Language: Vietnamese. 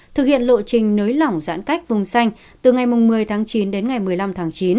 thực hiện lộ trình nới lỏng giãn cách vùng xanh từ ngày một mươi tháng chín đến ngày một mươi năm tháng chín